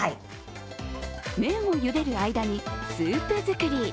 麺をゆでる間にスープ作り。